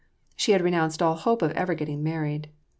She had renounced all hope of ever getting married.